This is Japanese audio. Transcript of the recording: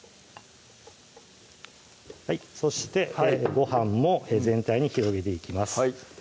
そしてこれでご飯も全体に広げていきます